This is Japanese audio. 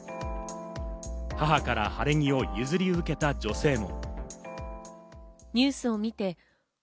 母から晴れ着を譲り受けた女性も。